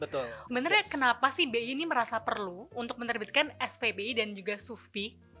sebenarnya kenapa sih bi ini merasa perlu untuk menerbitkan spbi dan juga sufpi